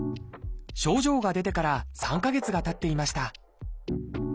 症状が出てから３か月がたっていました。